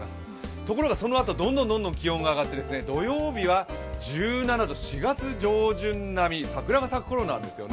ところがそのあと、どんどん気温が上がって、土曜日は１７度、４月上旬並み、桜が咲く頃なんですよね。